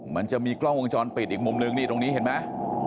มันจะมีกล้องวงจรปิดอีกมุมนึงนี่ตรงนี้เห็นไหม